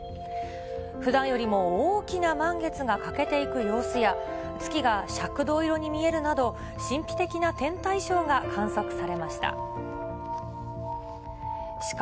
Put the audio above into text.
ふだんよりも大きな満月が欠けていく様子や、月が赤銅色に見えるなど、神秘的な天体ショーが観測されました。